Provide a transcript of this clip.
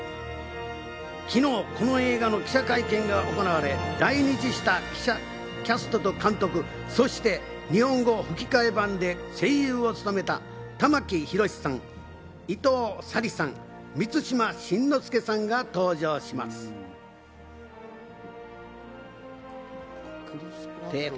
昨日、この映画の記者会見が行われ、来日したキャストと監督、そして日本語吹替版で声優を務めた玉木宏さん、伊藤沙莉さん、満島真之介さんが登場しました。